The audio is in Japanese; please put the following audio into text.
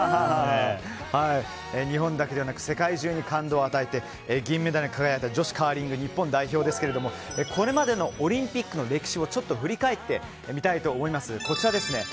日本だけではなく世界中に感動を与えて銀メダルに輝いた女子カーリング日本代表ですけどもこれまでのオリンピックの歴史を振り返ってみたいと思います。